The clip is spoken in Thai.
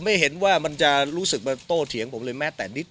ไม่เห็นว่ามันจะรู้สึกมาโต้เถียงผมเลยแม้แต่นิด